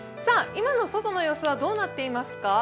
今の外の様子はどうなっていますか？